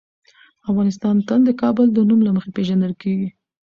افغانستان تل د کابل د نوم له مخې پېژندل کېږي.